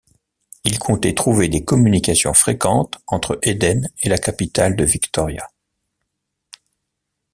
Il comptait trouver des communications fréquentes entre Éden et la capitale de Victoria.